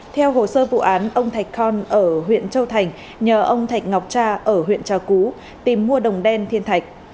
theo hồ sơ vụ án ông thạch con ở huyện châu thành nhờ ông thạch ngọc cha ở huyện trà cú tìm mua đồng đen thiên thạch